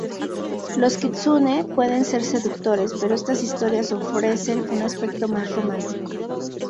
Los kitsune pueden ser seductores, pero estas historias ofrecen un aspecto más romántico.